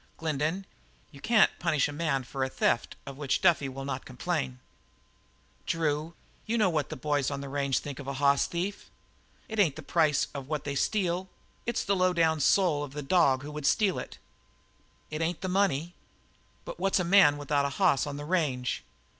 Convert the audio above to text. Glendin, you can't punish a man for a theft of which Duffy will not complain." "Drew, you know what the boys on the range think of a hoss thief. It ain't the price of what they steal; it's the low down soul of the dog that would steal it. It ain't the money. But what's a man without a hoss on the range?